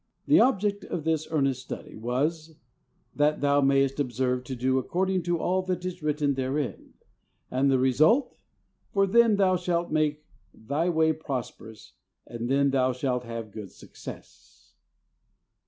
The object of this earnest study was, "That thou mayest ob serve to do according to all that is written therein," and the result, "for then thou shalt make thy way prosperous and then thou shalt have good success."